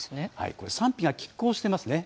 これ、賛否がきっ抗してますね。